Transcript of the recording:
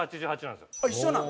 一緒なん？